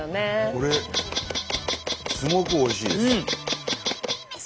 これすごくおいしいです。